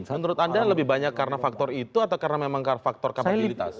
menurut anda lebih banyak karena faktor itu atau karena memang faktor kapabilitas